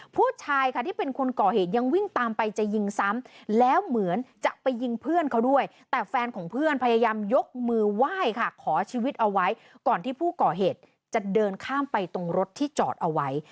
ผู้ชายค่ะที่เป็นคนก่อเหตุยังวิ่งตามไปจะยิงซ้ำแล้วเหมือนจะไปยิงเพื่อนเขาด้วยแต่แฟนของเพื่อนพยายามยกมือไหว้ค่ะขอชีวิตเอาไว้ก่อนที่ผู้ก่อเหตุจะเดินข้ามไปตรงรถที่จอดเอาไว้